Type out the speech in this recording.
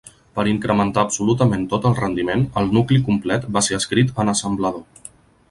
Per incrementar absolutament tot el rendiment, el nucli complet va ser escrit en assemblador.